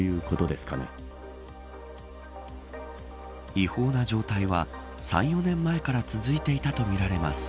違法な状態は３、４年前から続いていたとみられます。